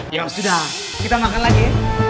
ya sudah kita makan lagi